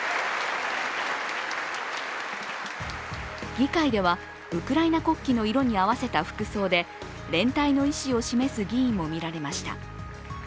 議会ではウクライナ国旗の色に合わせた服装で連帯の意思を示す議員も見られました。